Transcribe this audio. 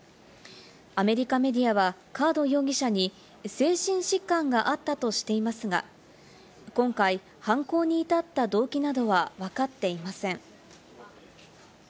アメリカメディアはカード容疑者に精神疾患があったとしていますが、今回犯行に至った動機などはわかっていません。